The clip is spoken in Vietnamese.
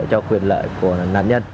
cho quyền lợi của nạn nhân